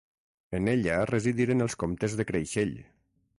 En ella residiren els Comtes de Creixell.